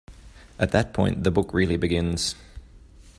At that point, the book really begins.